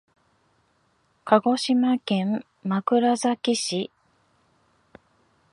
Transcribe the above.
鹿児島県枕崎市